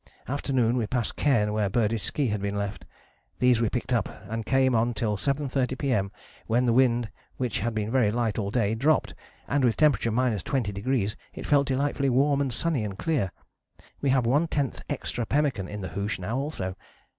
Afternoon we passed cairn where Birdie's ski had been left. These we picked up and came on till 7.30 P.M. when the wind which had been very light all day dropped, and with temp. 20° it felt delightfully warm and sunny and clear. We have 1/10 extra pemmican in the hoosh now also.